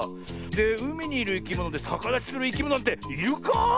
うみにいるいきものでさかだちするいきものっているか？